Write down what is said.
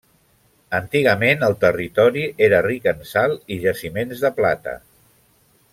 Antigament el territori era ric en sal i jaciments de plata.